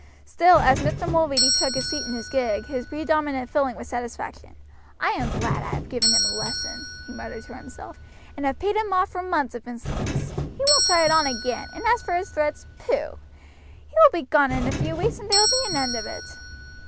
Still as Mr. Mulready took his seat in his gig his predominant feeling was satisfaction. "I am glad I have given him a lesson," he muttered to himself, "and have paid him off for months of insolence. He won't try it on again, and as for his threats, pooh! he'll be gone in a few weeks, and there will be an end of it."